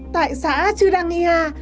tại xã churangia